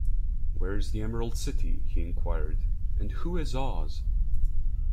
Where is the Emerald City? he enquired; "and who is Oz?"